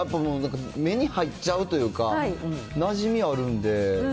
目に入っちゃうというか、なじみあるんで。